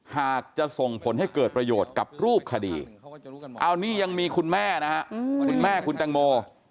หากจะส่งผลให้เกิดประโยชน์กับรูปคดีเอานี่ยังมีคุณแม่นะฮะคุณแม่คุณแตงโม